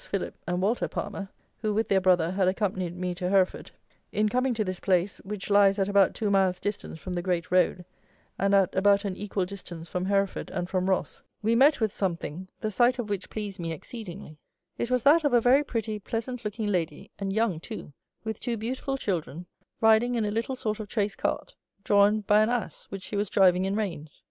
PHILIP and WALTER PALMER, who, with their brother, had accompanied me to Hereford; in coming to this place, which lies at about two miles distance from the great road, and at about an equal distance from HEREFORD and from Ross, we met with something, the sight of which pleased me exceedingly: it was that of a very pretty pleasant looking lady (and young too) with two beautiful children, riding in a little sort of chaise cart, drawn by an ass, which she was driving in reins.